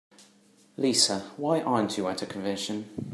Lisa, why aren't you at the convention?